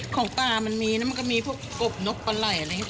ของปลามันมีนะมันก็มีพวกกบนกปลาไหล่อะไรอย่างนี้